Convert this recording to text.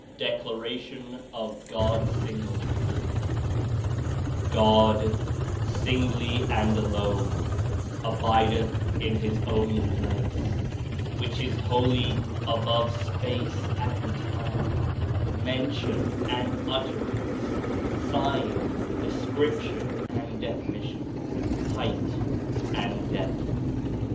(h 99') DECLARATION OF GOD'S STNGLENE.SS "God singly and alone abideth in His own place which is holy above space and time, mention and ut terance, sign, description and definition, height and depth."